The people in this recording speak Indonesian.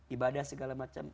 ibadah segala macam